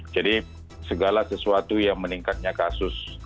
jadi segala sesuatu yang meningkatnya kasus